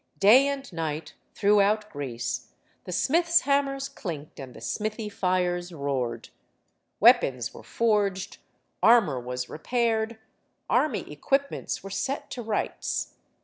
Day and night, throughout Greece, the smiths' ham mers clinked, and the smithy fires roared. Weapons were forged; armor was repaired; army equipments were set to rights.